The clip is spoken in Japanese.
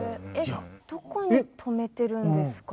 どこに止めてるんですか？